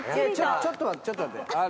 ちょっと待ってちょっと待って。